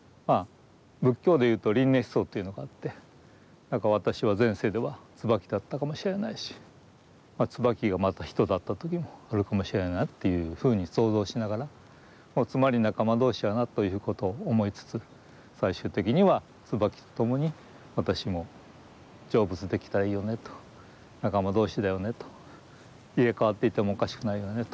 仏教で言うと輪廻思想というのがあって私は前世では椿だったかもしれないし椿がまた人だった時もあるかもしれないというふうに想像しながらつまり仲間同士やなということを思いつつ最終的には椿と共に私も成仏できたらいいよねと仲間同士だよねと入れ代わっていてもおかしくないよねと。